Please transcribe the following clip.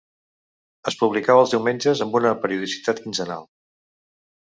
Es publicava els diumenges amb una periodicitat quinzenal.